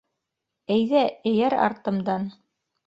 Әйҙә, эйәр артымдан.